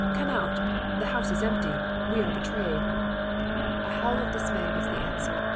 Come out! The house is empty! We are betrayed.' "A howl of dismay was the answer.